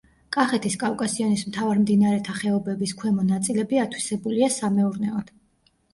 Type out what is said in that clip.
კახეთის კავკასიონის მთავარ მდინარეთა ხეობების ქვემო ნაწილები ათვისებულია სამეურნეოდ.